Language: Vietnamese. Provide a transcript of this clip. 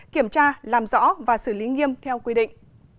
kiểm tra làm rõ và xử lý nghiêm theo quy định